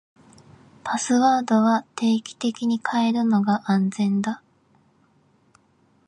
パスワードは定期的に変えるのが安全だ。